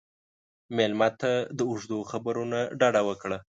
مېلمه ته د اوږدو خبرو نه ډډه وکړه.